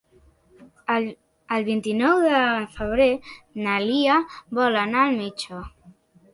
El vint-i-nou de febrer na Lia vol anar al metge.